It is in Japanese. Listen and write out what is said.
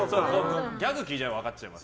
ギャグ聞いたら分かっちゃいます。